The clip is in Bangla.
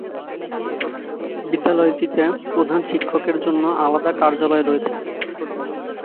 বিদ্যালয়টিতে প্রধান শিক্ষকের জন্য আলাদা কার্যালয় রয়েছে।